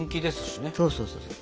そうそうそうそう。